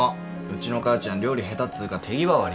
うちの母ちゃん料理下手っつうか手際悪いから。